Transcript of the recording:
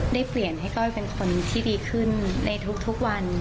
ได้เปลี่ยนให้ก้อยเป็นคนที่ดีขึ้นในทุกวัน